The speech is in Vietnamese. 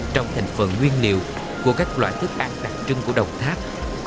trong thành phần nguyên liệu của các loại thức ăn đặc trưng của đồng tháp